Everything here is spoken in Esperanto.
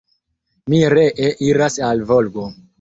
Mi ree iras al Volgo.